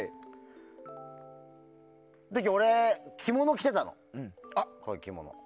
その時俺、着物着てたの。